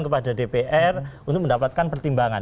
kepada dpr untuk mendapatkan pertimbangan